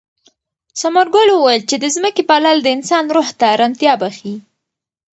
ثمرګل وویل چې د ځمکې پالل د انسان روح ته ارامتیا بښي.